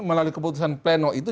melalui keputusan pleno itu